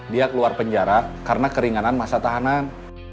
dia keluar penjara karena keringanan masa tahanan